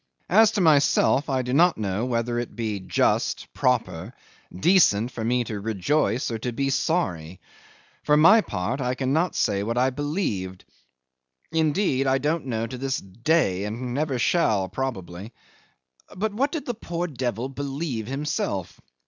As to myself, I do not know whether it be just, proper, decent for me to rejoice or to be sorry. For my part, I cannot say what I believed indeed I don't know to this day, and never shall probably. But what did the poor devil believe himself?